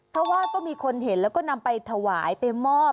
เพราะว่าก็มีคนเห็นแล้วก็นำไปถวายไปมอบ